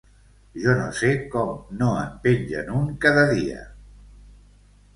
Jo no sé com no en pengen un cada dia...